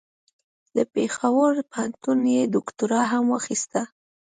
له پېښور پوهنتون یې دوکتورا هم واخیسته.